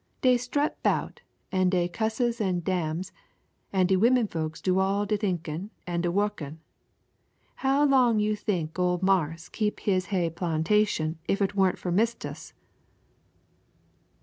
Dey strut 'bout, an' dey cusses an' damns, an' de womenfolks do all de thinkin' an' de wukkin'. How long you think ole marse keep dis heah plantation if it warn't fur mistis?"